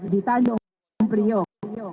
di tanjung priok